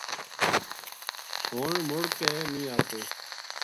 ہن مُڑ کے نیہہ آتو